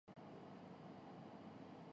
پاکستان کیلئے دورہ انگلینڈ ہمیشہ ٹف رہا اظہر علی